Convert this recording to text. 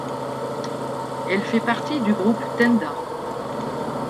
Elle fait partie du groupe tenda.